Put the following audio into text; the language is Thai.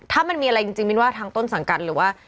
ถ้ามันมีอะไรจริงมินว่าทางต้นสังกัดหรือว่า